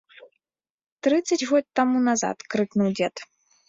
Трыццаць год таму назад крыкнуў дзед.